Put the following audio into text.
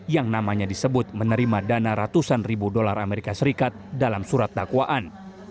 yang namanya disebut menerima dana ratusan ribu dolar amerika serikat dalam surat dakwaan